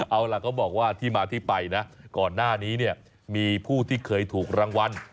เอาล่ะก็บอกว่าที่มาที่ไปนะก่อนหน้านี้เนี่ยมีผู้ที่เคยถูกรางวัล